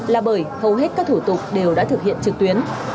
là bởi hầu hết các thủ tục đều đã thực hiện trực tuyến